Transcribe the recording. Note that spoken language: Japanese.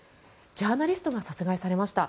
ジャーナリストが殺害されました。